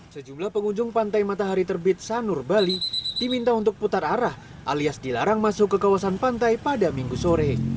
sejumlah pengunjung pantai matahari terbit sanur bali diminta untuk putar arah alias dilarang masuk ke kawasan pantai pada minggu sore